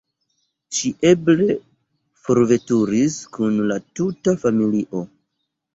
Ŝi eble forveturis kun la tuta familio.